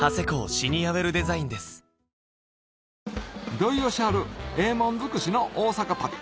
土井善晴ええもん尽くしの大阪旅